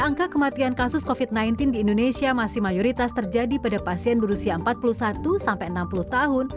angka kematian kasus covid sembilan belas di indonesia masih mayoritas terjadi pada pasien berusia empat puluh satu sampai enam puluh tahun